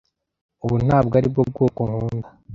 Ubu ntabwo aribwo bwoko nkunda.